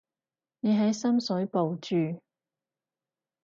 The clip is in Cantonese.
你喺深水埗住？